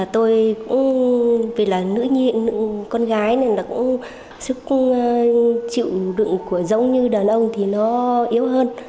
tôi cũng vì là nữ con gái nên sức chịu đựng giống như đàn ông thì nó yếu hơn